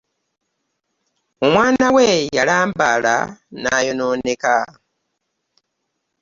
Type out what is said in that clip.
Omwana we yalalambala n'ayonooneka.